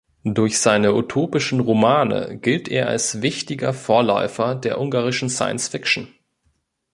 Durch seine utopischen Romane gilt er als wichtiger Vorläufer der ungarischen Science-Fiction.